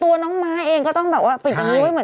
ตัวน้องม้าเองก็ต้องเปิดตำรวจเหมือนกันใช่ไหม